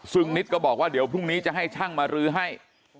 ซึ่งนิดก็บอกว่าเดี๋ยวพรุ่งนี้จะให้ช่างมารื้อให้